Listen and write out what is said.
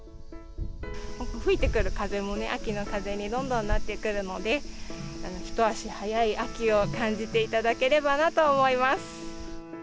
吹いてくる風もね、秋の風にどんどんなってくるので、一足早い秋を感じていただければなと思います。